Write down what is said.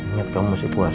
ingat kamu masih puasa